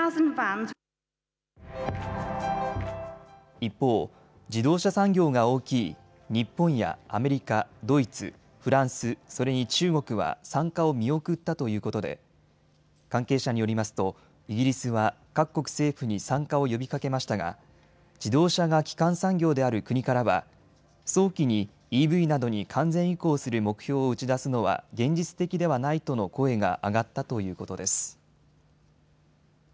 一方、自動車産業が大きい日本やアメリカ、ドイツ、フランス、それに中国は参加を見送ったということで関係者によりますとイギリスは各国政府に参加を呼びかけましたが自動車が基幹産業である国からは早期にＥＶなどに完全移行する目標を打ち出すのは現実的ではないとの声が上がったということです。